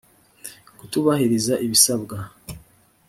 kutubahiriza ibisabwa